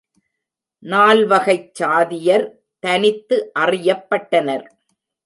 நால்வகைச் சாதியர் தனித்து அறியப்பட்டனர்.